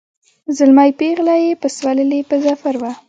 زلمی پېغله یې پسوللي په ظفر وه